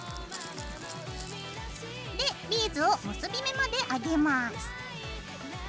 でビーズを結び目まで上げます。